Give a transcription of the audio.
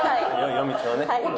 夜道はね。